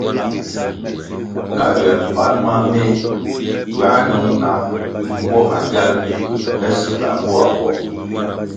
Ka ywe mpan ma meh ywā nung na mbwo magyal pe silga mboa nwo.